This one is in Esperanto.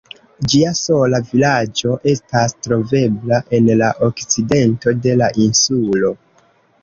Ĝia sola vilaĝo estas trovebla en la okcidento de la insulo.